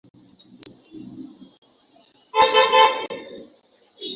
এর আগে, বুধবার রাতে একই ইস্যুতে শিক্ষার্থীরা এক ঘণ্টার জন্য এলিফ্যান্ট-মৎস্য ভবন রোড অবরোধ করে।